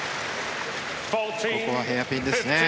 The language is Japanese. ここはヘアピンですね。